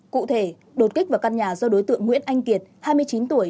cụ thể đột kích vào căn nhà do đối tượng nguyễn anh kiệt hai mươi chín tuổi